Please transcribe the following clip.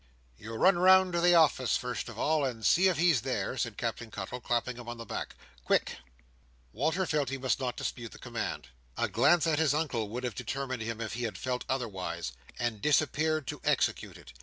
"You run round to the office, first of all, and see if he's there," said Captain Cuttle, clapping him on the back. "Quick!" Walter felt he must not dispute the command—a glance at his Uncle would have determined him if he had felt otherwise—and disappeared to execute it.